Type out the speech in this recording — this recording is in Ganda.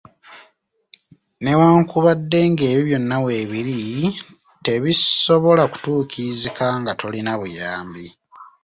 Newankubadde nga ebyo byonna weebiri, tebisobola kutuukirizika nga tolina buyambi.